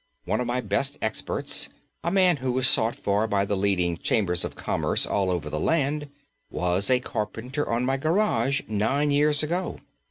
One of my best experts, a man who is sought for by the leading Chambers of Commerce all over the land, was a carpenter on my garage nine years ago.